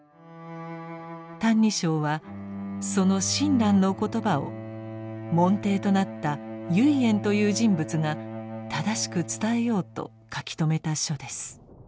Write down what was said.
「歎異抄」はその親鸞の言葉を門弟となった唯円という人物が正しく伝えようと書き留めた書です。